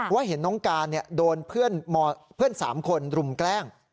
เห็นน้องการโดนเพื่อน๓คนรุมแกล้ง